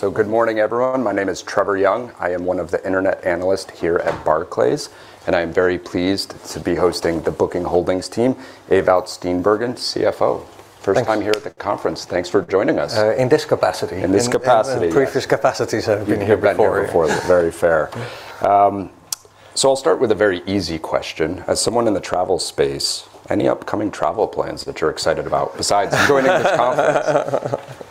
Good morning, everyone. My name is Trevor Young. I am one of the Internet Analysts here at Barclays, and I'm very pleased to be hosting the Booking Holdings team, Ewout Steenbergen, CFO. Thanks. First time here at the conference. Thanks for joining us. In this capacity. In this capacity, yes. In the previous capacities, I've been here before. You've been here before. Very fair. I'll start with a very easy question. As someone in the travel space, any upcoming travel plans that you're excited about, besides joining this conference?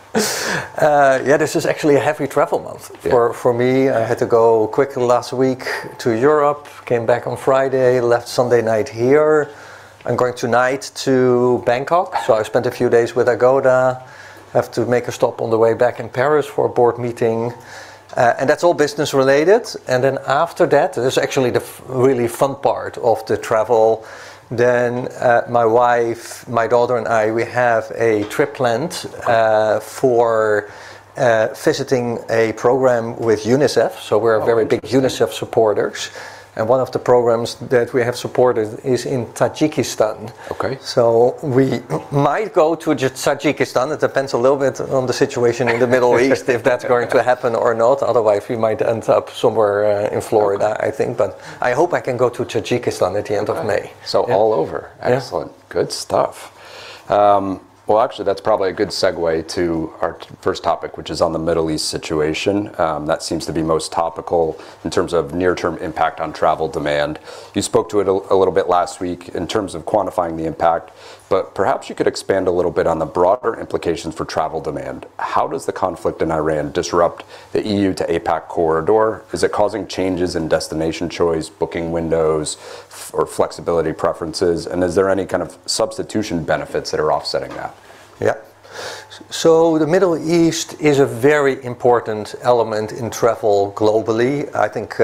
Yeah, this is actually a heavy travel month. Yeah. For me, I had to go quick last week to Europe, came back on Friday, left Sunday night here. I'm going tonight to Bangkok. I spent a few days with Agoda. Have to make a stop on the way back in Paris for a board meeting. That's all business related. After that, this is actually the really fun part of the travel, then my wife, my daughter, and I, we have a trip planned. Okay For visiting a program with UNICEF. Oh, interesting. We're very big UNICEF supporters, and one of the programs that we have supported is in Tajikistan. Okay. We might go to Tajikistan. It depends a little bit on the situation in the Middle East, if that's going to happen or not. Otherwise, we might end up somewhere in Florida. Okay I think, but I hope I can go to Tajikistan at the end of May. Okay. Yeah. All over. Yeah. Excellent. Good stuff. Well, actually, that's probably a good segue to our first topic, which is on the Middle East situation, that seems to be most topical in terms of near-term impact on travel demand. You spoke to it a little bit last week in terms of quantifying the impact, but perhaps you could expand a little bit on the broader implications for travel demand. How does the conflict in Iran disrupt the EU to APAC corridor? Is it causing changes in destination choice, booking windows or flexibility preferences, and is there any kind of substitution benefits that are offsetting that? Yeah. The Middle East is a very important element in travel globally. I think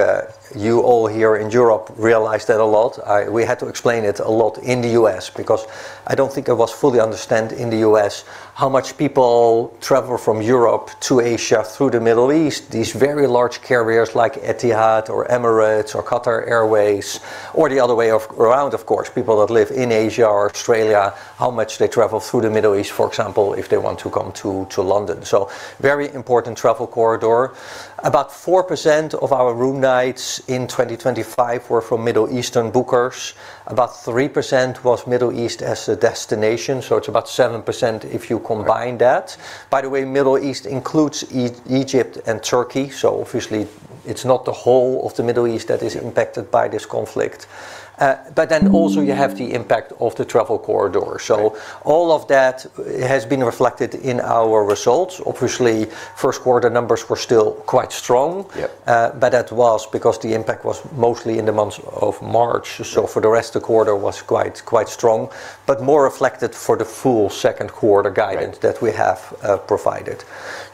you all here in Europe realize that a lot. We had to explain it a lot in the U.S. because I don't think it was fully understood in the U.S. how much people travel from Europe to Asia through the Middle East. These very large carriers like Etihad or Emirates or Qatar Airways, or the other way around, of course, people that live in Asia or Australia, how much they travel through the Middle East, for example, if they want to come to London, very important travel corridor. About 4% of our room nights in 2025 were from Middle Eastern bookers. About 3% was Middle East as a destination, it's about 7% if you combine that. Right. By the way, Middle East includes Egypt and Türkiye. Obviously, it's not the whole of the Middle East that is impacted by this conflict. Also, you have the impact of the travel corridor. Right. All of that has been reflected in our results. Obviously, first quarter numbers were still quite strong. Yeah. That was because the impact was mostly in the month of March. Yeah. For the rest, the quarter was quite strong, but more reflected for the full second quarter guidance- Right. ...that we have provided.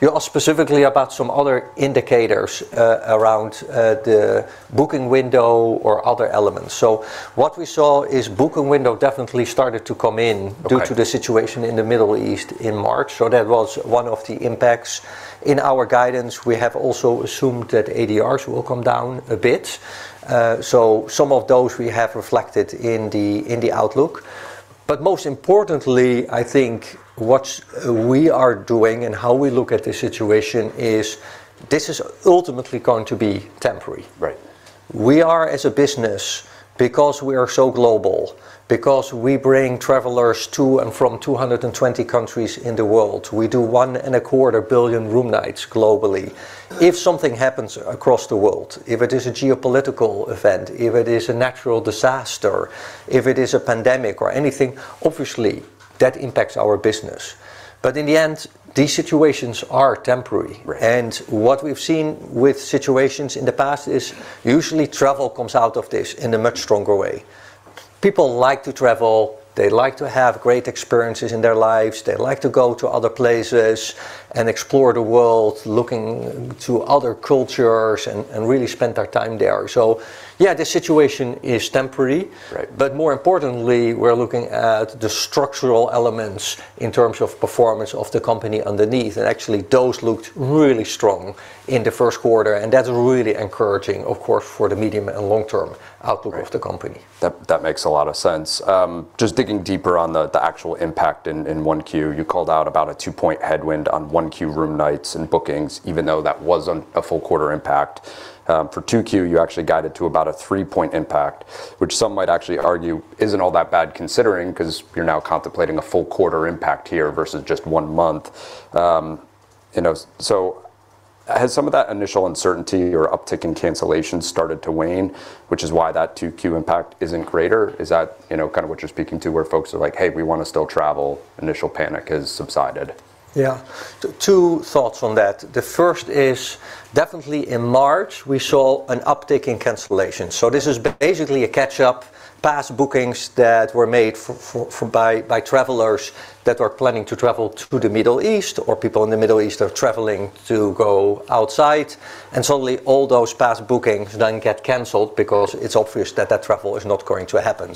You asked specifically about some other indicators around the booking window or other elements. What we saw is booking window definitely started to come in- Okay. ...due to the situation in the Middle East in March, so that was one of the impacts. In our guidance, we have also assumed that ADRs will come down a bit. Some of those we have reflected in the outlook. Most importantly, I think what we are doing and how we look at the situation is this is ultimately going to be temporary. Right. We are, as a business, because we are so global, because we bring travelers to and from 220 countries in the world, we do 1.25 billion room nights globally. If something happens across the world, if it is a geopolitical event, if it is a natural disaster, if it is a pandemic or anything, obviously, that impacts our business. In the end, these situations are temporary. Right. What we've seen with situations in the past is usually travel comes out of this in a much stronger way. People like to travel. They like to have great experiences in their lives. They like to go to other places and explore the world, looking to other cultures, and really spend their time there. Yeah, the situation is temporary. Right. More importantly, we're looking at the structural elements in terms of performance of the company underneath, and actually, those looked really strong in the first quarter, and that's really encouraging, of course, for the medium and long-term outlook of the company. Right. That makes a lot of sense. Just digging deeper on the actual impact in 1Q, you called out about a 2-point headwind on 1Q room nights and bookings, even though that wasn't a full quarter impact. For 2Q, you actually guided to about a 3-point impact, which some might actually argue isn't all that bad considering, 'cause you're now contemplating a full quarter impact here versus just one month. You know, so has some of that initial uncertainty or uptick in cancellations started to wane, which is why that 2Q impact isn't greater? Is that, you know, kind of what you're speaking to, where folks are like, "Hey, we wanna still travel. Initial panic has subsided"? Yeah. Two thoughts on that. The first is definitely in March, we saw an uptick in cancellations. This has been basically a catch-up, past bookings that were made by travelers that are planning to travel to the Middle East or people in the Middle East are traveling to go outside, and suddenly all those past bookings then get canceled because it's obvious that that travel is not going to happen.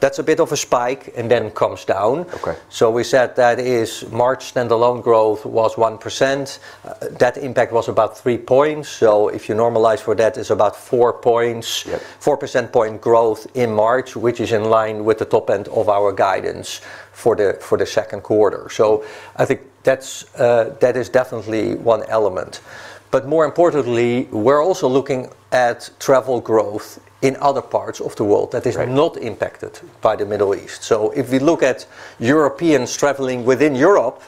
That's a bit of a spike, and then it comes down. Okay. We said that is March standalone growth was 1%. That impact was about 3 points. If you normalize for that, it's about 4 points. Yeah. 4% point growth in March, which is in line with the top end of our guidance for the, for the second quarter. I think that is definitely one element. More importantly, we're also looking at travel growth in other parts of the world that is- Right. ...not impacted by the Middle East. If we look at Europeans traveling within Europe.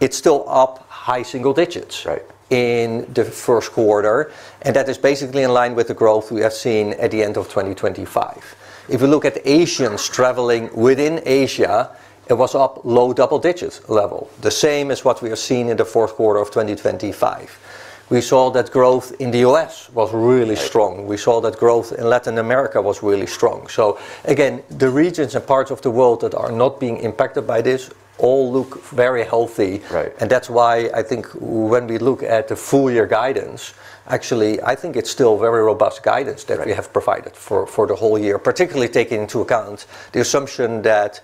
It's still up high single digits- Right. ...in the first quarter, and that is basically in line with the growth we have seen at the end of 2025. If you look at Asians traveling within Asia, it was up low double-digits level, the same as what we have seen in the fourth quarter of 2025. We saw that growth in the U.S. was really strong. Right. We saw that growth in Latin America was really strong. Again, the regions and parts of the world that are not being impacted by this all look very healthy. Right. That's why I think when we look at the full year guidance, actually, I think it's still very robust guidance- Right. ...that we have provided for the whole year, particularly taking into account the assumption that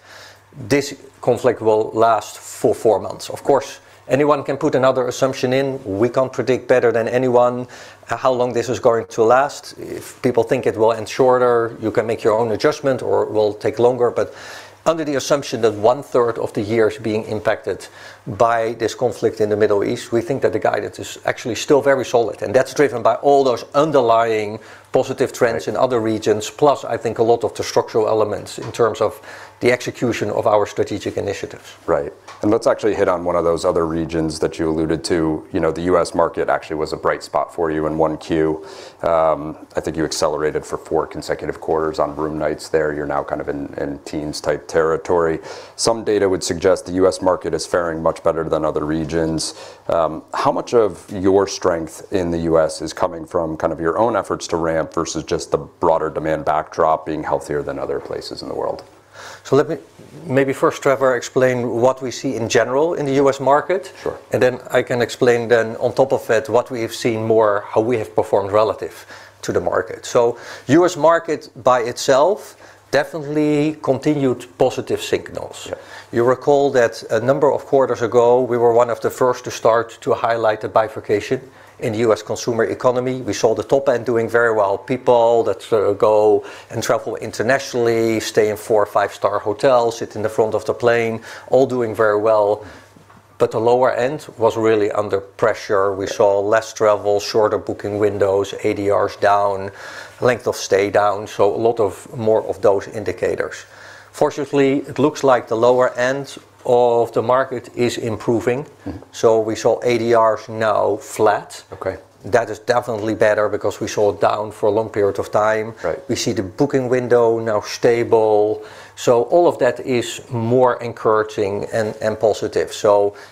this conflict will last for four months. Of course, anyone can put another assumption in. We can't predict better than anyone how long this is going to last. If people think it will end shorter, you can make your own adjustment, or it will take longer. Under the assumption that one third of the year is being impacted by this conflict in the Middle East, we think that the guidance is actually still very solid, and that's driven by all those underlying positive trends- Right. ...in other regions. I think a lot of the structural elements in terms of the execution of our strategic initiatives. Right. Let's actually hit on one of those other regions that you alluded to. You know, the U.S. market actually was a bright spot for you in 1Q. I think you accelerated for four consecutive quarters on room nights there. You're now kind of in teens-type territory. Some data would suggest the U.S. market is faring much better than other regions. How much of your strength in the U.S. is coming from kind of your own efforts to ramp versus just the broader demand backdrop being healthier than other places in the world? Let me maybe first, Trevor, explain what we see in general in the U.S. market. Sure. I can explain then on top of it what we have seen more, how we have performed relative to the market. U.S. market by itself definitely continued positive signals. Yeah. You recall that a number of quarters ago, we were one of the first to start to highlight the bifurcation in the U.S. consumer economy. We saw the top end doing very well. People that go and travel internationally, stay in four or five-star hotels, sit in the front of the plane, all doing very well. The lower end was really under pressure. We saw less travel, shorter booking windows, ADRs down, length of stay down. A lot of more of those indicators. Fortunately, it looks like the lower end of the market is improving. We saw ADRs now flat. Okay. That is definitely better because we saw it down for a long period of time. Right. We see the booking window now stable. All of that is more encouraging and positive.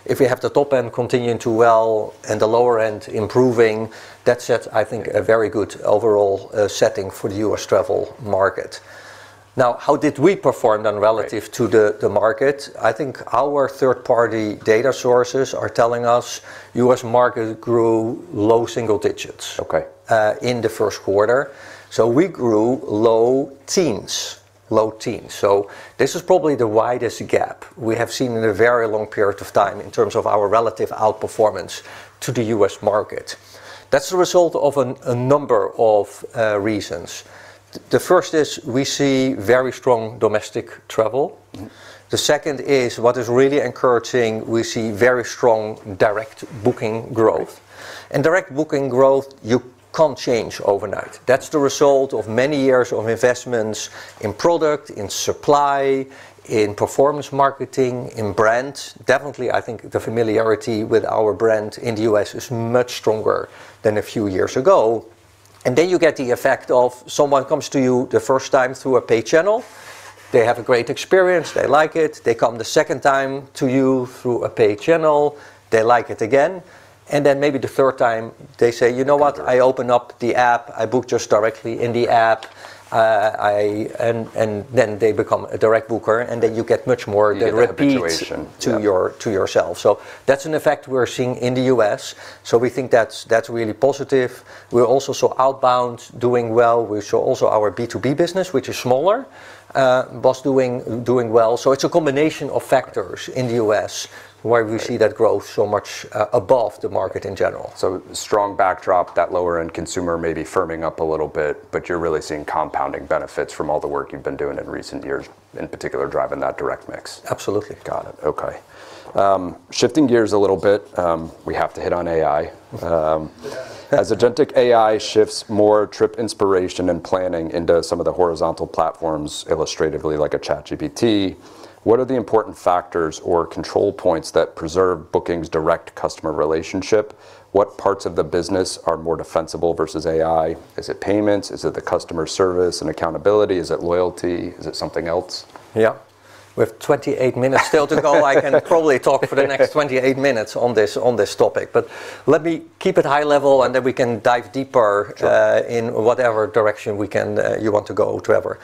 If you have the top end continuing to well and the lower end improving, that sets, I think, a very good overall setting for the U.S. travel market. How did we perform then relative- Right. ...to the market? I think our third-party data sources are telling us U.S. market grew low single digits- Okay. ...in the first quarter. We grew low teens. Low teens. This is probably the widest gap we have seen in a very long period of time in terms of our relative outperformance to the U.S. market. That's the result of a number of reasons. The First is we see very strong domestic travel. The second is what is really encouraging, we see very strong direct booking growth. Right. Direct booking growth, you can't change overnight. That's the result of many years of investments in product, in supply, in performance marketing, in brand. Definitely, I think the familiarity with our brand in the U.S. is much stronger than a few years ago. You get the effect of someone comes to you the first time through a paid channel. They have a great experience. They like it. They come the second time to you through a paid channel. They like it again. Maybe the third time, they say, "You know what? I open up the app. I book just directly in the app." They become a direct booker, and then you get much more- Yeah, the repetition. ...the repeat to yourself. That's an effect we're seeing in the U.S., we think that's really positive. We also saw outbound doing well. We saw also our B2B business, which is smaller, but doing well. It's a combination of factors in the U.S. where we see that growth so much above the market in general. Strong backdrop, that lower end consumer maybe firming up a little bit, but you're really seeing compounding benefits from all the work you've been doing in recent years, in particular driving that direct mix. Absolutely. Got it. Okay. Shifting gears a little bit, we have to hit on AI. As agentic AI shifts more trip inspiration and planning into some of the horizontal platforms, illustratively like a ChatGPT, what are the important factors or control points that preserve Booking's direct customer relationship? What parts of the business are more defensible versus AI? Is it payments? Is it the customer service and accountability? Is it loyalty? Is it something else? Yeah. We have 28 minutes still to go. I can probably talk for the next 28 minutes on this, on this topic, but let me keep it high level, and then we can dive deeper- Sure. ...in whatever direction we can, you want to go, Trevor.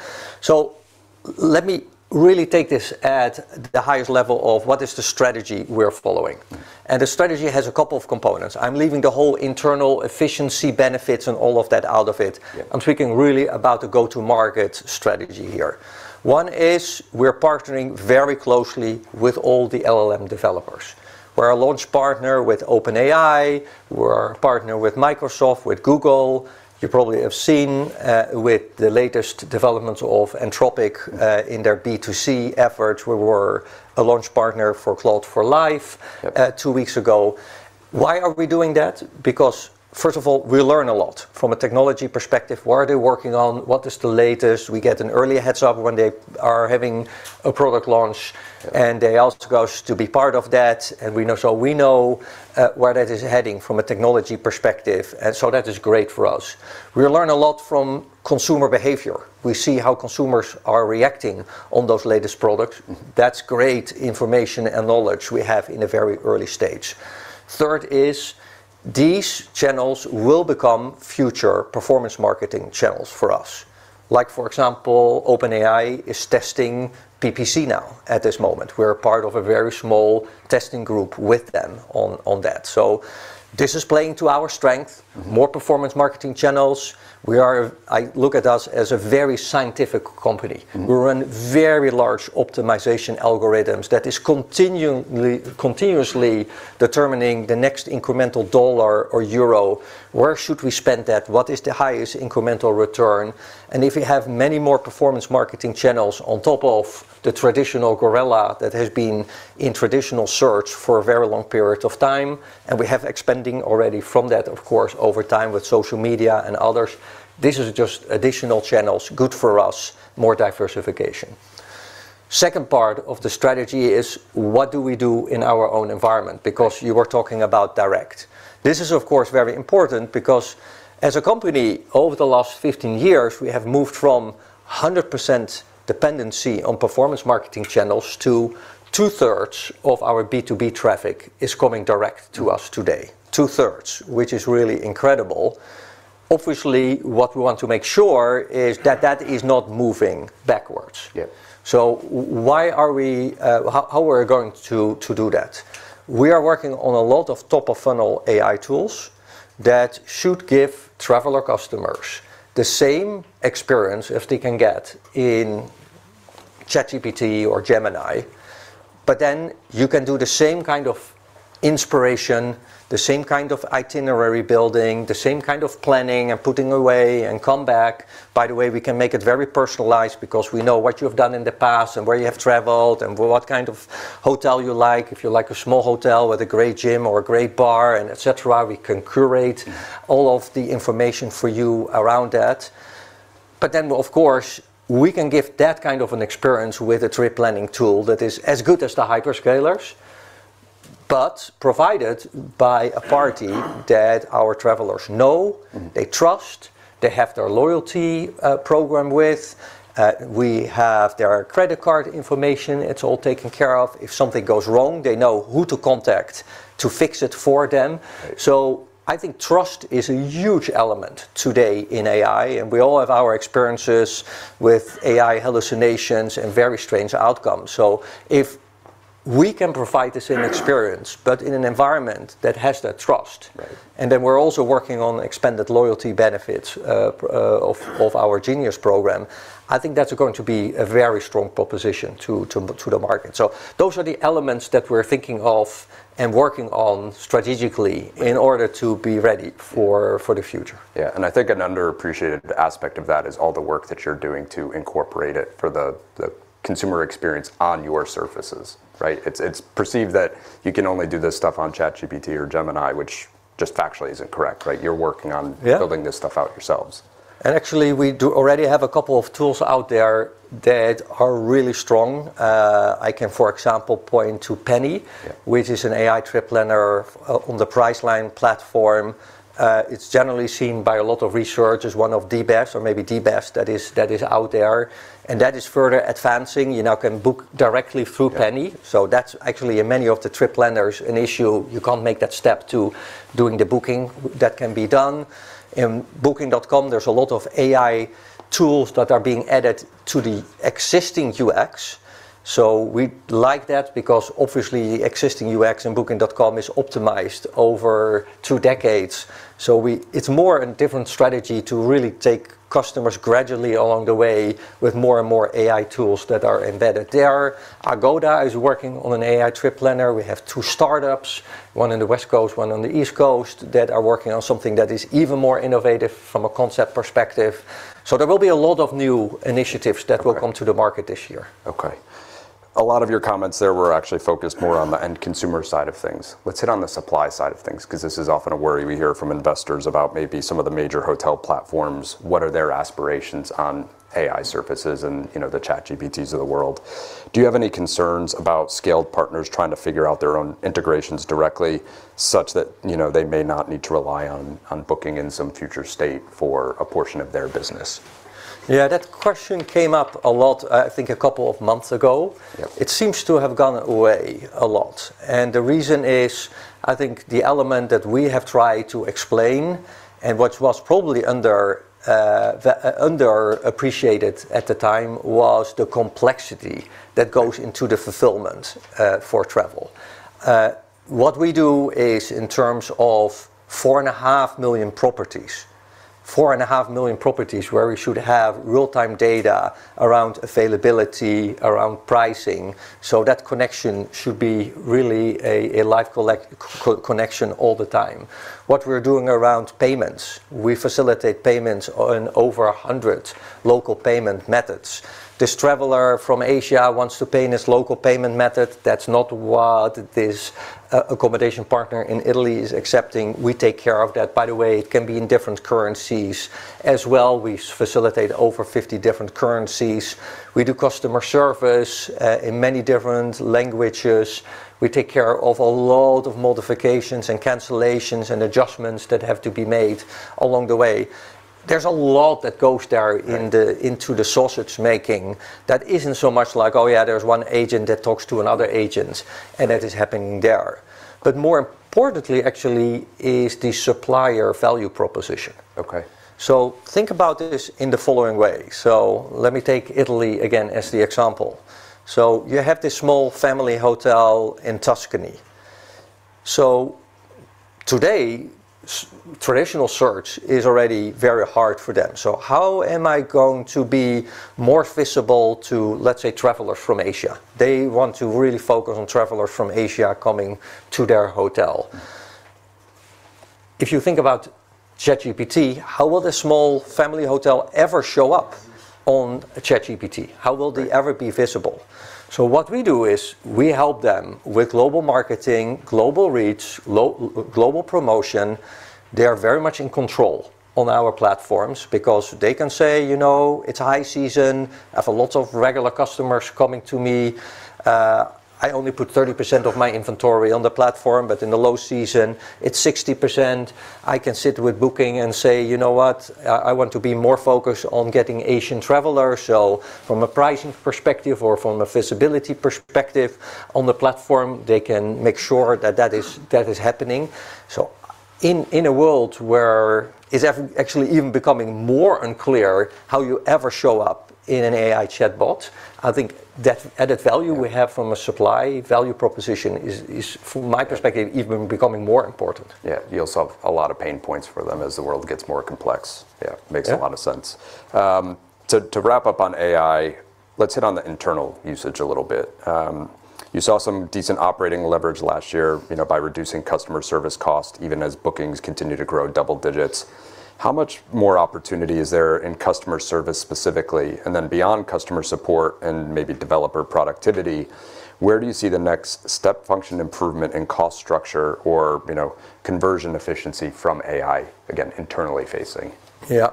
Let me really take this at the highest level of what is the strategy we're following, and the strategy has a couple of components. I'm leaving the whole internal efficiency benefits and all of that out of it. Yeah. I'm speaking really about the go-to-market strategy here. One is we're partnering very closely with all the LLM developers. We're a launch partner with OpenAI. We're a partner with Microsoft, with Google. You probably have seen with the latest developments of Anthropic in their B2C efforts. We were a launch partner for Claude- Yep. ...two Weeks ago. Why are we doing that? Because first of all, we learn a lot from a technology perspective. What are they working on? What is the latest? We get an early heads-up when they are having a product launch, and they ask us to be part of that, and we know. We know where that is heading from a technology perspective. That is great for us. We learn a lot from consumer behavior. We see how consumers are reacting on those latest products. That's great information and knowledge we have in a very early stage. Third is these channels will become future performance marketing channels for us. Like, for example, OpenAI is testing PPC now at this moment. We're a part of a very small testing group with them on that. This is playing to our strength. More performance marketing channels. I look at us as a very scientific company. We run very large optimization algorithms that is continuously determining the next incremental dollar or euro. Where should we spend that? What is the highest incremental return? If you have many more performance marketing channels on top of the traditional gorilla that has been in traditional search for a very long period of time, and we have expanding already from that, of course, over time with social media and others, this is just additional channels, good for us, more diversification. Second part of the strategy is what do we do in our own environment? Right. Because you were talking about direct. This is of course very important because as a company, over the last 15 years, we have moved from 100% dependency on performance marketing channels to 2/3 of our B2B traffic is coming direct to us today. Two-thirds, which is really incredible. Obviously, what we want to make sure is that that is not moving backwards. Yeah. How we're going to do that? We are working on a lot of top-of-funnel AI tools that should give traveler customers the same experience if they can get in ChatGPT or Gemini. You can do the same kind of inspiration, the same kind of itinerary building, the same kind of planning and putting away and come back. By the way, we can make it very personalized because we know what you have done in the past and where you have traveled and what kind of hotel you like. If you like a small hotel with a great gym or a great bar and etc, we can curate all of the information for you around that. Of course, we can give that kind of an experience with a trip planning tool that is as good as the hyperscalers, but provided by a party that our travelers know. They trust, they have their loyalty program with. We have their credit card information. It's all taken care of. If something goes wrong, they know who to contact to fix it for them. Right. I think trust is a huge element today in AI, and we all have our experiences with AI hallucinations and very strange outcomes. Right. We're also working on expanded loyalty benefits of our Genius program. I think that's going to be a very strong proposition to the market. Those are the elements that we're thinking of and working on strategically in order to be ready for the future. Yeah. I think an underappreciated aspect of that is all the work that you're doing to incorporate it for the consumer experience on your surfaces, right? It's, it's perceived that you can only do this stuff on ChatGPT or Gemini, which just factually isn't correct, right? You're working on- Yeah. ...building this stuff out yourselves. Actually, we do already have a couple of tools out there that are really strong. I can, for example, point to Penny- Yeah. ...which is an AI trip planner on the Priceline platform. It's generally seen by a lot of research as one of the best or maybe the best that is, that is out there, and that is further advancing. You now can book directly through Penny. Yeah. That's actually, in many of the trip planners, an issue. You can't make that step to doing the booking. That can be done. In Booking.com, there's a lot of AI tools that are being added to the existing UX. We like that because obviously, existing UX in Booking.com is optimized over two decades. It's more a different strategy to really take customers gradually along the way with more and more AI tools that are embedded there. Agoda is working on an AI trip planner. We have two startups, one in the West Coast, one on the East Coast, that are working on something that is even more innovative from a concept perspective. There will be a lot of new initiatives that will come to the market this year. Okay. A lot of your comments there were actually focused more on the end consumer side of things. Let's hit on the supply side of things, 'cause this is often a worry we hear from investors about maybe some of the major hotel platforms. What are their aspirations on AI surfaces and, you know, the ChatGPTs of the world? Do you have any concerns about scaled partners trying to figure out their own integrations directly such that, you know, they may not need to rely on Booking in some future state for a portion of their business? Yeah, that question came up a lot, I think a couple of months ago. Yeah. It seems to have gone away a lot. The reason is, I think the element that we have tried to explain, and which was probably underappreciated at the time, was the complexity that goes into the fulfillment for travel. What we do is in terms of 4.5 million properties where we should have real-time data around availability, around pricing, so that connection should be really a live connection all the time. What we're doing around payments, we facilitate payments on over 100 local payment methods. This traveler from Asia wants to pay in this local payment method. That's not what this accommodation partner in Italy is accepting. We take care of that. By the way, it can be in different currencies. As well, we facilitate over 50 different currencies. We do customer service in many different languages. We take care of a lot of modifications and cancellations and adjustments that have to be made along the way- Right. ...into the sausage making that isn't so much like, oh yeah, there's one agent that talks to another agent, and that is happening there. More importantly actually is the supplier value proposition. Okay. Think about this in the following way. Let me take Italy again as the example. You have this small family hotel in Tuscany. Today, traditional search is already very hard for them. How am I going to be more visible to, let's say, travelers from Asia? They want to really focus on travelers from Asia coming to their hotel. If you think about ChatGPT, how will the small family hotel ever show up on a ChatGPT? Right. How will they ever be visible? What we do is we help them with Global Marketing, Global Reach, Global Promotion. They are very much in control on our platforms because they can say, "You know, it's high season. I have a lot of regular customers coming to me. I only put 30% of my inventory on the platform, but in the low season, it's 60%." I can sit with Booking and say, "You know what? I want to be more focused on getting Asian travelers." From a pricing perspective or from a visibility perspective on the platform, they can make sure that that is happening. In a world where it's actually even becoming more unclear how you ever show up in an AI chatbot, I think that added value- Yeah. ...we have from a supply value proposition is, from my perspective, even becoming more important. Yeah. You'll solve a lot of pain points for them as the world gets more complex. Yeah. Yeah. Makes a lot of sense. To wrap up on AI, let's hit on the internal usage a little bit. You saw some decent operating leverage last year, you know, by reducing customer service cost even as bookings continue to grow double digits. How much more opportunity is there in customer service specifically? Then beyond customer support and maybe developer productivity, where do you see the next step function improvement in cost structure or, you know, conversion efficiency from AI, again, internally facing? Yeah.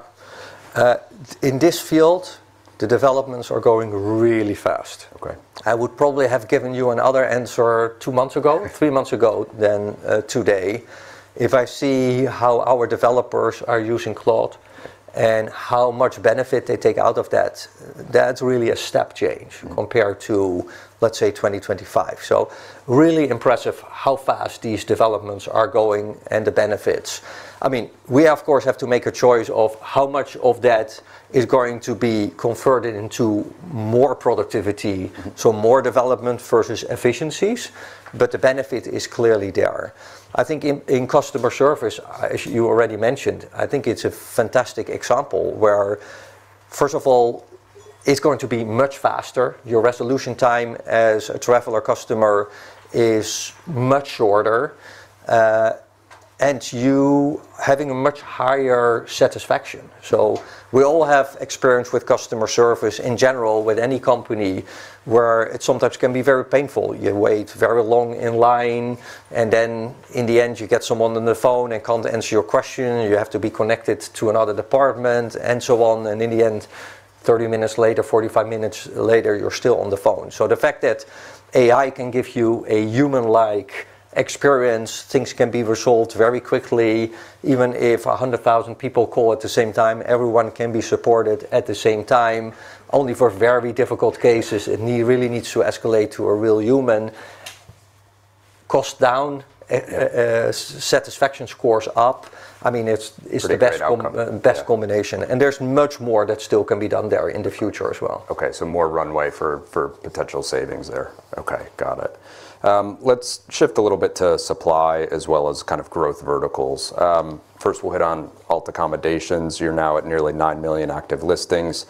In this field, the developments are going really fast. Okay. I would probably have given you another answer three months ago than today. If I see how our developers are using Claude and how much benefit they take out of that's really a step change compared to, let's say, 2025. Really impressive how fast these developments are going and the benefits. I mean, we of course have to make a choice of how much of that is going to be converted into more productivity. More development versus efficiencies, but the benefit is clearly there. I think in customer service, as you already mentioned, I think it's a fantastic example where, first of all, it's going to be much faster. Your resolution time as a traveler customer is much shorter, and you having a much higher satisfaction. We all have experience with customer service in general with any company, where it sometimes can be very painful. You wait very long in line, and then in the end you get someone on the phone and can't answer your question, and you have to be connected to another department and so on, and in the end, 30 minutes later, 45 minutes later, you're still on the phone. The fact that AI can give you a human-like experience, things can be resolved very quickly, even if 100,000 people call at the same time, everyone can be supported at the same time. Only for very difficult cases it really needs to escalate to a real human. Cost down, satisfaction scores up, I mean, it's the best com- Pretty great outcome. ...best combination. Yeah. There's much more that still can be done there in the future as well. Okay, more runway for potential savings there. Okay, got it. Let's shift a little bit to supply as well as kind of growth verticals. First we'll hit on alt accommodations. You're now at nearly 9 million active listings.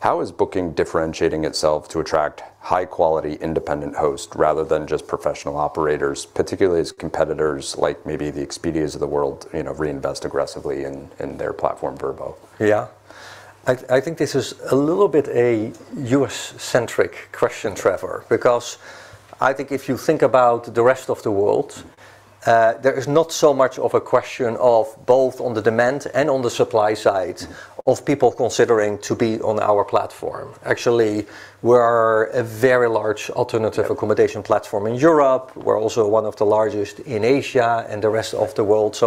How is Booking.com differentiating itself to attract high-quality independent host rather than just professional operators, particularly as competitors like maybe the Expedia of the world, you know, reinvest aggressively in their platform, Vrbo? Yeah. I think this is a little bit a U.S.-centric question, Trevor, because I think if you think about the rest of the world, there is not so much of a question of both on the demand and on the supply side of people considering to be on our platform. Actually, we're a very large alternative accommodation platform in Europe. We're also one of the largest in Asia and the rest of the world.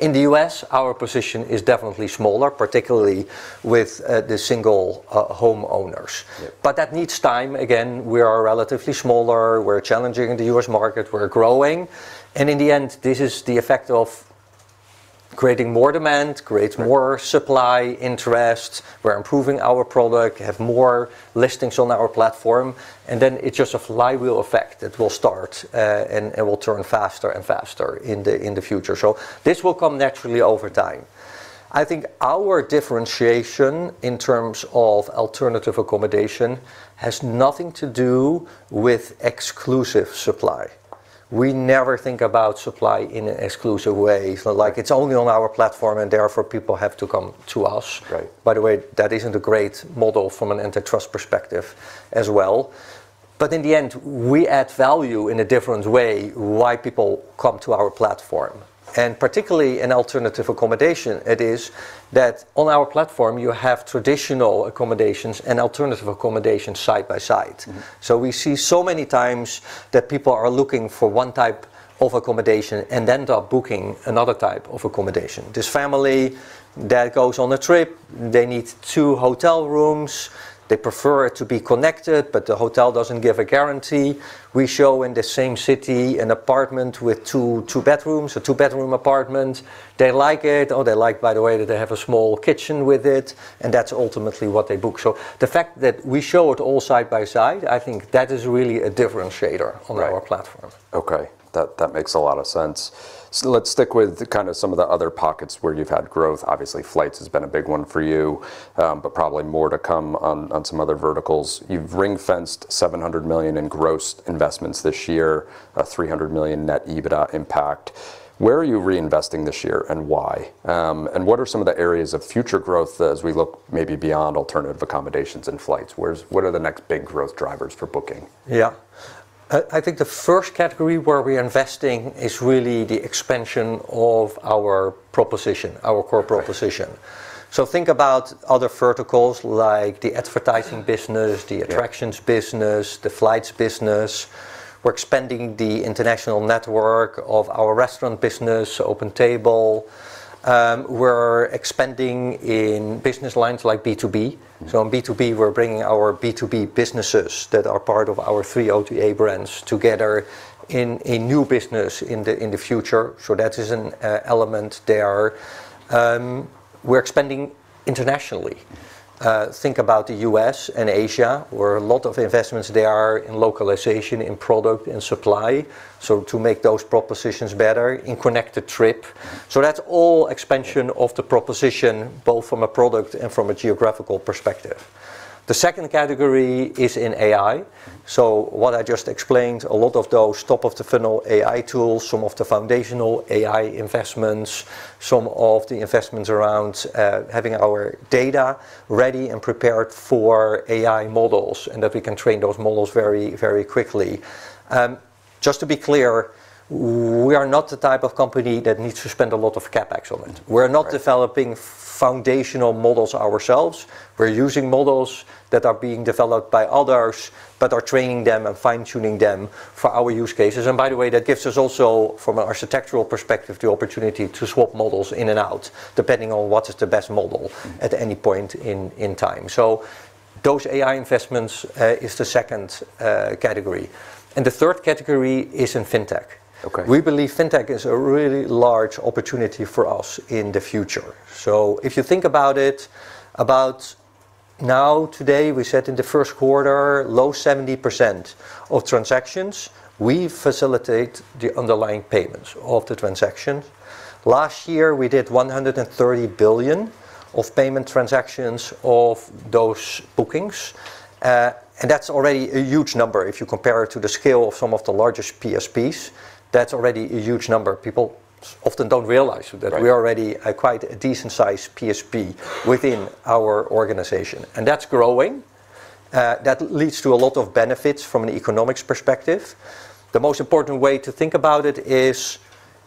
In the U.S., our position is definitely smaller, particularly with the single home owners. Yeah. That needs time. Again, we are relatively smaller. We're challenging the U.S. market. We're growing. In the end, this is the effect of creating more demand, creates more supply, interest. We're improving our product, have more listings on our platform, and then it's just a flywheel effect. It will start, and it will turn faster and faster in the future. This will come naturally over time. I think our differentiation in terms of alternative accommodation has nothing to do with exclusive supply. We never think about supply in an exclusive way. Like it's only on our platform, and therefore people have to come to us. Right. By the way, that isn't a great model from an antitrust perspective as well. In the end, we add value in a different way why people come to our platform. Particularly in alternative accommodation, it is that on our platform you have traditional accommodations and alternative accommodations side by side. We see so many times that people are looking for one type of accommodation and end up booking another type of accommodation. This family that goes on a trip, they need two hotel rooms. They prefer it to be connected, but the hotel doesn't give a guarantee. We show in the same city an apartment with two bedrooms, a two bedroom apartment. They like it, or they like by the way that they have a small kitchen with it, and that's ultimately what they book. The fact that we show it all side by side, I think that is really a differentiator- Right. ...on our platform. That makes a lot of sense. Let's stick with kind of some of the other pockets where you've had growth. Obviously, flights has been a big one for you, but probably more to come on some other verticals. You've ring-fenced $700 million in gross investments this year, a $300 million net EBITDA impact. Where are you reinvesting this year, and why? What are some of the areas of future growth as we look maybe beyond alternative accommodations and flights? What are the next big growth drivers for Booking? Yeah. I think the first category where we're investing is really the expansion of our proposition, our core proposition. Right. Think about other verticals like the advertising business- Yeah. ...the attractions business, the flights business. We're expanding the international network of our restaurant business, OpenTable. We're expanding in business lines like B2B. On B2B, we're bringing our B2B businesses that are part of our three OTA brands together in a new business in the future. That is an element there. We're expanding internationally. Think about the U.S. and Asia, where a lot of investments there are in localization, in product, in supply, so to make those propositions better, in connected trip. That's all expansion of the proposition, both from a product and from a geographical perspective. The second category is in AI. What I just explained, a lot of those top-of-the-funnel AI tools, some of the foundational AI investments, some of the investments around having our data ready and prepared for AI models, and that we can train those models very quickly. Just to be clear, we are not the type of company that needs to spend a lot of CapEx on it. Right. We're not developing foundational models ourselves. We're using models that are being developed by others, but are training them and fine-tuning them for our use cases. By the way, that gives us also, from an architectural perspective, the opportunity to swap models in and out, depending on what is the best model at any point in time. Those AI investments is the second category. The third category is in fintech. Okay. We believe Fintech is a really large opportunity for us in the future. If you think about it, about now, today, we said in the first quarter, low 70% of transactions, we facilitate the underlying payments of the transaction. Last year, we did $130 billion of payment transactions of those bookings. That's already a huge number. If you compare it to the scale of some of the largest PSPs, that's already a huge number- Right. ...that we're already a quite a decent size PSP within our organization, and that's growing. That leads to a lot of benefits from an economics perspective. The most important way to think about it is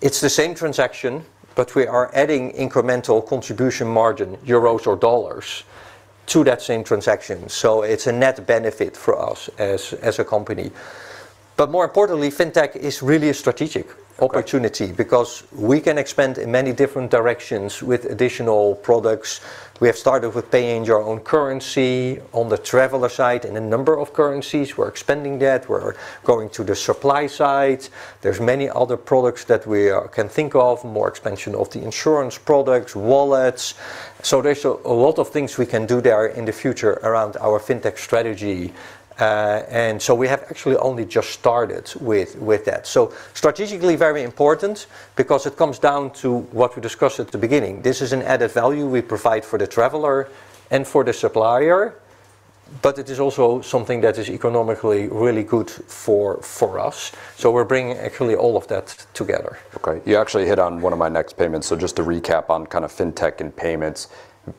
it's the same transaction, but we are adding incremental contribution margin, euros or dollars, to that same transaction. It's a net benefit for us as a company. More importantly, fintech is really a strategic opportunity- Okay. ...because we can expand in many different directions with additional products. We have started with paying your own currency on the traveler side in a number of currencies. We're expanding that. We're going to the supply side. There's many other products that we can think of, more expansion of the insurance products, wallets. There's a lot of things we can do there in the future around our fintech strategy. We have actually only just started with that. Strategically, very important because it comes down to what we discussed at the beginning. This is an added value we provide for the traveler and for the supplier, but it is also something that is economically really good for us. We're bringing actually all of that together. Okay. You actually hit on one of my next payments. Just to recap on kind of Fintech and Payments,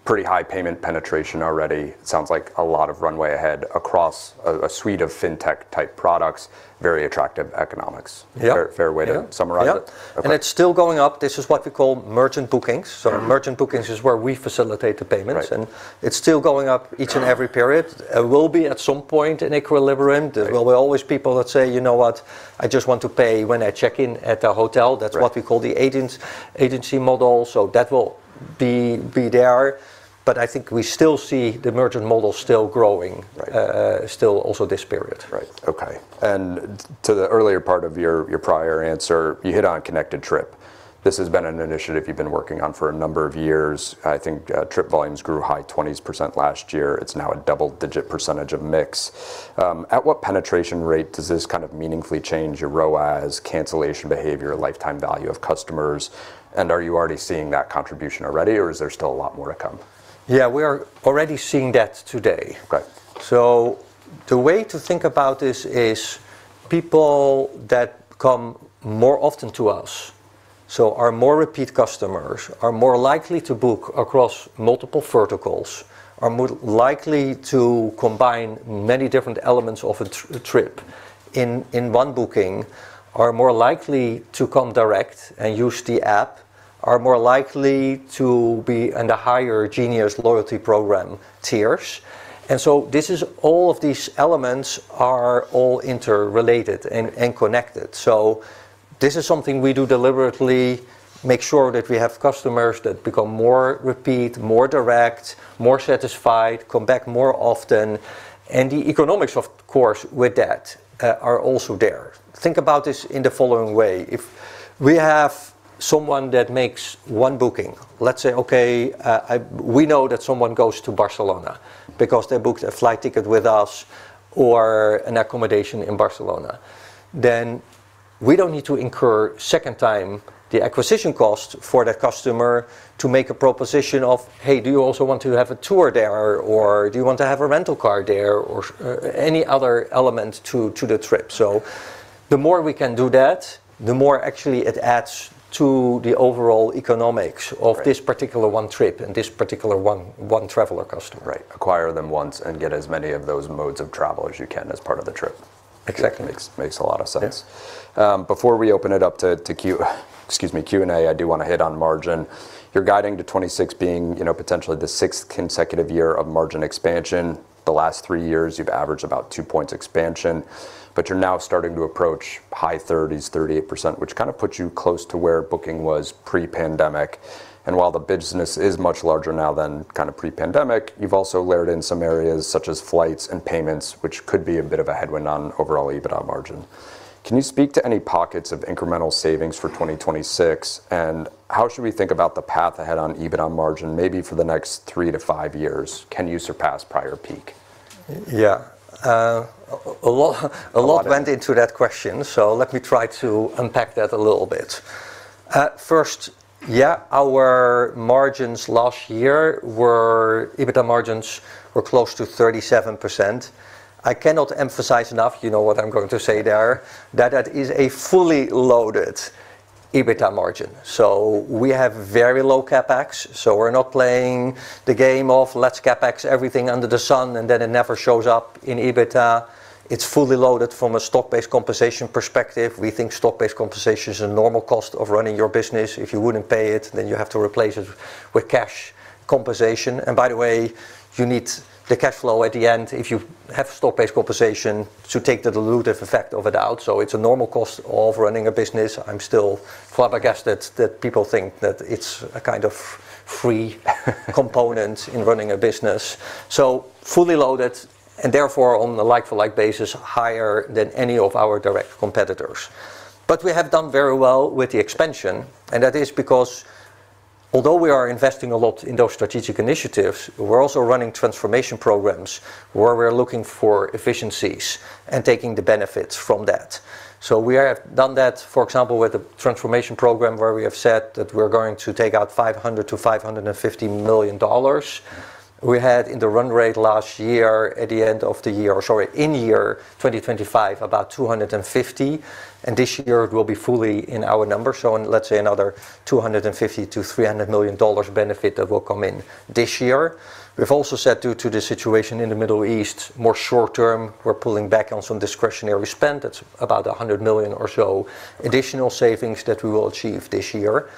pretty high payment penetration already. It sounds like a lot of runway ahead across a suite of fintech-type products, very attractive economics. Yeah. Fair, fair way to summarize it? Yeah. Yeah. Okay. It's still going up. This is what we call merchant bookings. Merchant bookings is where we facilitate the payments. Right. It's still going up each and every period. It will be at some point an equilibrium. Right. There will be always people that say, "You know what? I just want to pay when I check in at a hotel. Right. That's what we call the agency model. That will be there. I think we still see the merchant model still growing- Right. ...still also this period. Right. Okay. To the earlier part of your prior answer, you hit on connected trip. This has been an initiative you've been working on for a number of years. I think, trip volumes grew high 20s% last year. It's now a double-digit percentage of mix. At what penetration rate does this kind of meaningfully change your ROAS, cancellation behavior, lifetime value of customers? Are you already seeing that contribution already, or is there still a lot more to come? Yeah, we are already seeing that today. Okay. The way to think about this is people that come more often to us, our more repeat customers, are more likely to book across multiple verticals, are more likely to combine many different elements of a trip in one booking, are more likely to come direct and use the app, are more likely to be in the higher Genius loyalty program tiers. All of these elements are all interrelated and connected. This is something we do deliberately, make sure that we have customers that become more repeat, more direct, more satisfied, come back more often. The economics, of course, with that, are also there. Think about this in the following way. If we have someone that makes one booking, let's say, okay, we know that someone goes to Barcelona because they booked a flight ticket with us or an accommodation in Barcelona. We don't need to incur second time the acquisition cost for the customer to make a proposition of, "Hey, do you also want to have a tour there?" "Do you also want to have a rental car there?" Any other element to the trip. The more we can do that, the more actually it adds to the overall economics- Right. ...of this particular one trip and this particular one traveler customer. Right. Acquire them once and get as many of those modes of travel as you can as part of the trip. Exactly. Makes a lot of sense. Yeah. Before we open it up to Q&A, I do wanna hit on margin. You're guiding to 2026 being, you know, potentially the sixth consecutive year of margin expansion. The last three years you've averaged about two points expansion, you're now starting to approach high 30s%, 38%, which kind of puts you close to where Booking was pre-pandemic. While the business is much larger now than kind of pre-pandemic, you've also layered in some areas such as flights and payments, which could be a bit of a headwind on overall EBITDA margin. Can you speak to any pockets of incremental savings for 2026? How should we think about the path ahead on EBITDA margin, maybe for the next three to five years? Can you surpass prior peak? Yeah. A lot. A lot of- A lot went into that question. Let me try to unpack that a little bit. First, yeah, our margins last year were, EBITDA margins were close to 37%. I cannot emphasize enough, you know what I'm going to say there, that that is a fully loaded EBITDA margin. We have very low CapEx. We're not playing the game of let's CapEx everything under the sun, and then it never shows up in EBITDA. It's fully loaded from a stock-based compensation perspective. We think stock-based compensation is a normal cost of running your business. If you wouldn't pay it, you have to replace it with cash compensation. By the way, you need the cash flow at the end if you have stock-based compensation to take the dilutive effect of it out. It's a normal cost of running a business. I'm still flabbergasted that people think that it's a kind of free- component in running a business. Fully loaded, and therefore, on a like-for-like basis, higher than any of our direct competitors. We have done very well with the expansion, and that is because although we are investing a lot in those strategic initiatives, we're also running Transformation Programs where we're looking for efficiencies and taking the benefits from that. We have done that, for example, with the Transformation Program where we have said that we're going to take out $500 million-$550 million. We had in the run rate last year, at the end of the year, or, sorry, in 2025, about $250 million, and this year it will be fully in our numbers, so in, let's say another $250 million-$300 million benefit that will come in this year. We've also said due to the situation in the Middle East, more short term, we're pulling back on some discretionary spend. That's about $100 million or so additional savings that we will achieve this year.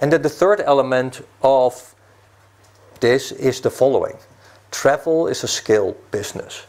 The third element of this is the following: travel is a scale business.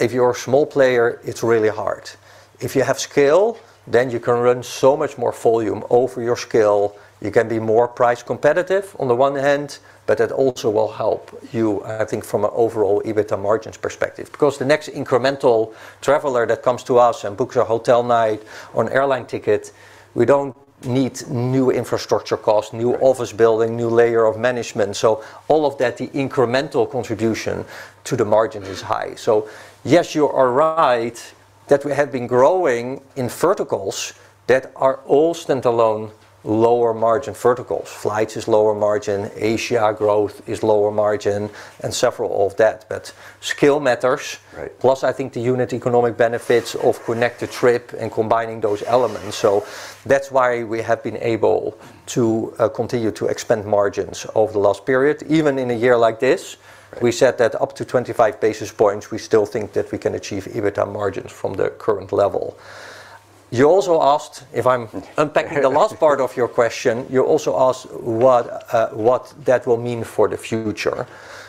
If you're a small player, it's really hard. If you have scale, then you can run so much more volume over your scale. You can be more price competitive on the one hand, but it also will help you, I think, from an overall EBITDA margins perspective. The next incremental traveler that comes to us and books a hotel night or an airline ticket, we don't need new infrastructure costs- Right. ...new office building, new layer of management. All of that, the incremental contribution to the margin is high. Yes, you are right that we have been growing in verticals that are all standalone lower margin verticals. Flights is lower margin, Asia growth is lower margin, and several of that. Scale matters. Right. I think the unit economic benefits of connected trip and combining those elements. That's why we have been able to continue to expand margins over the last period, even in a year like this- Right. ...we said that up to 25 basis points, we still think that we can achieve EBITDA margins from the current level. You also asked, if I'm unpacking the last part of your question, you also asked what that will mean for the future.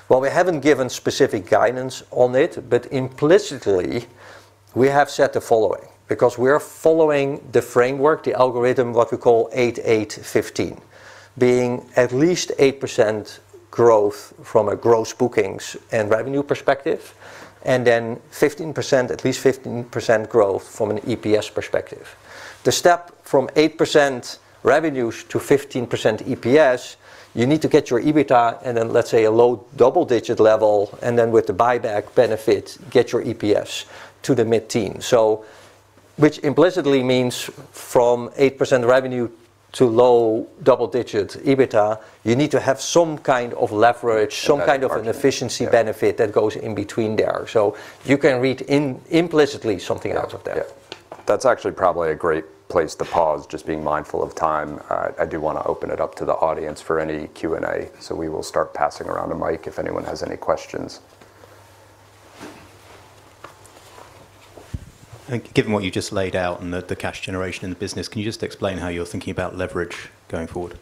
We haven't given specific guidance on it, but implicitly, we have set the following. We are following the framework, the algorithm, what we call 8-8-15. Being at least 8% growth from a gross bookings and revenue perspective, and then 15%, at least 15% growth from an EPS perspective. The step from 8% revenue to 15% EPS, you need to get your EBITDA and then, let's say, a low double-digit level, and then with the buyback benefit, get your EPS to the mid-teen. Which implicitly means from 8% revenue to low double digits EBITDA, you need to have some kind of leverage- That margin, yeah. ...some kind of an efficiency benefit that goes in between there. You can read implicitly something out of that. Yeah. Yeah. That's actually probably a great place to pause, just being mindful of time. I do wanna open it up to the audience for any Q&A. We will start passing around a mic if anyone has any questions. I think given what you just laid out and the cash generation in the business, can you just explain how you're thinking about leverage going forward?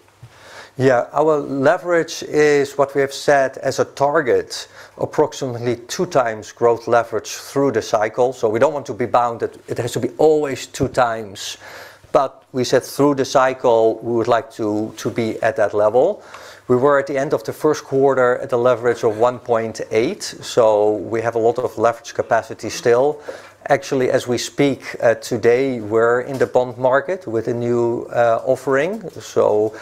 Yeah. Our leverage is what we have set as a target, approximately 2x growth leverage through the cycle. We don't want to be bound that it has to be always 2x. We said through the cycle, we would like to be at that level. We were, at the end of the first quarter, at a leverage of 1.8x, so we have a lot of leverage capacity still. Actually, as we speak, today, we're in the bond market with a new offering, so,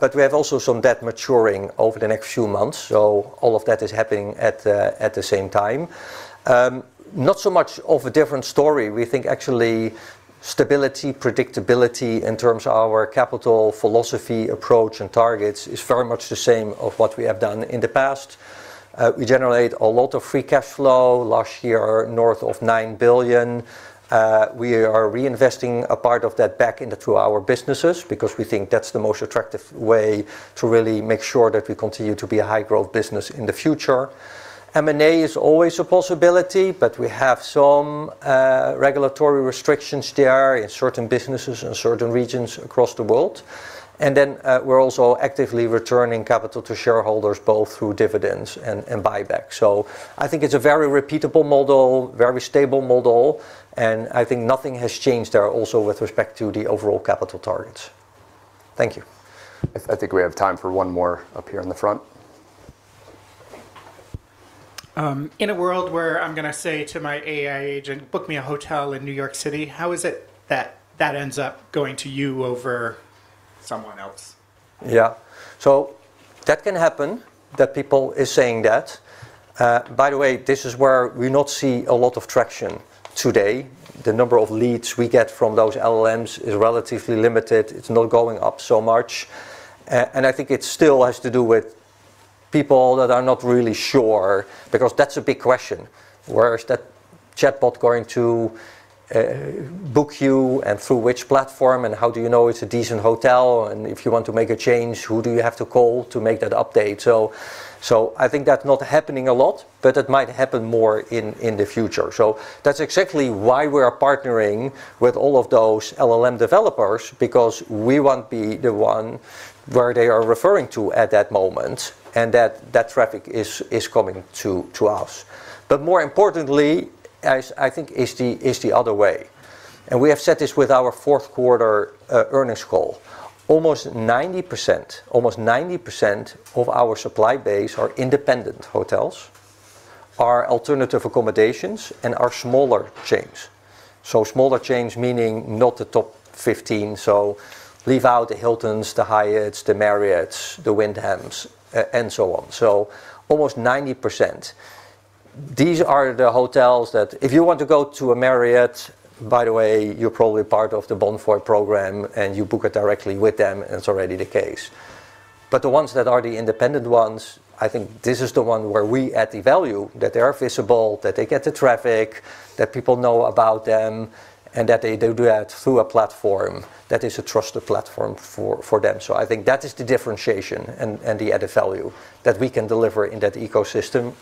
but we have also some debt maturing over the next few months. All of that is happening at the same time. Not so much of a different story. We think actually, stability, predictability in terms of our capital philosophy approach and targets is very much the same of what we have done in the past. We generate a lot of free cash flow. Last year, north of $9 billion. We are reinvesting a part of that back into our businesses because we think that's the most attractive way to really make sure that we continue to be a high growth business in the future. M&A is always a possibility, but we have some regulatory restrictions there in certain businesses and certain regions across the world. We're also actively returning capital to shareholders, both through dividends and buyback. I think it's a very repeatable model, very stable model, and I think nothing has changed there also with respect to the overall capital targets. Thank you. I think we have time for one more up here in the front. In a world where I'm gonna say to my AI agent, "Book me a hotel in New York City," how is it that that ends up going to you over someone else? Yeah. That can happen, that people is saying that. By the way, this is where we not see a lot of traction today. The number of leads we get from those LLMs is relatively limited. It's not going up so much. I think it still has to do with people that are not really sure, because that's a big question. Where is that chatbot going to book you, and through which platform, and how do you know it's a decent hotel? If you want to make a change, who do you have to call to make that update? I think that's not happening a lot, but it might happen more in the future. That's exactly why we are partnering with all of those LLM developers because we want to be the one where they are referring to at that moment, and that traffic is coming to us. More importantly, I think, is the other way, and we have said this with our fourth quarter earnings call. Almost 90% of our supply base are independent hotels, are alternative accommodations, and are smaller chains. Smaller chains meaning not the top 15. Leave out the Hiltons, the Hyatts, the Marriotts, the Wyndhams, and so on. Almost 90%. These are the hotels that if you want to go to a Marriott, by the way, you're probably part of the Bonvoy program, and you book it directly with them, and it's already the case. The ones that are the independent ones, I think this is the one where we add the value, that they are visible, that they get the traffic, that people know about them, and that they do that through a platform that is a trusted platform for them. I think that is the differentiation and the added value that we can deliver in that ecosystem.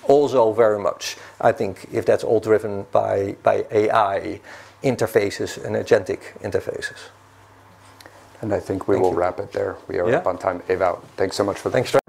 Very much, I think if that's all driven by AI interfaces and agentic interfaces. I think we will wrap it there. Yeah. We are up on time Ewout. Thanks so much for coming.